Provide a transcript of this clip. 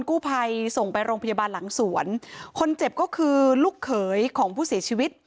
กู้ภัยส่งไปโรงพยาบาลหลังสวนคนเจ็บก็คือลูกเขยของผู้เสียชีวิต